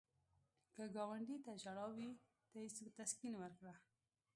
که ګاونډي ته ژړا وي، ته یې تسکین ورکړه